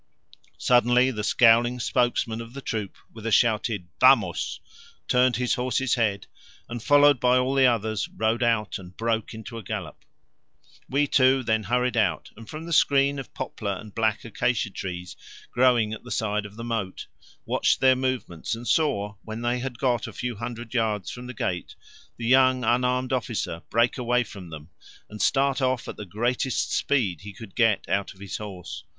Suddenly the scowling spokesman of the troop, with a shouted "Vamos!" turned his horse's head and, followed by all the others, rode out and broke into a gallop. We too then hurried out, and from the screen of poplar and black acacia trees growing at the side of the moat, watched their movements, and saw, when they had got away a few hundred yards from the gate, the young unarmed officer break away from them and start off at the greatest speed he could get out of his horse.